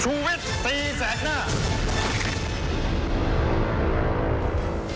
ชูวิทย์ตีแสกหน้า